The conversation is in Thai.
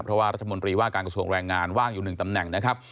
เพราะว่ารัฐมนตรีว่าการกระทรวงแรงงานว่างอยู่๑ตำแหน่งนะครับ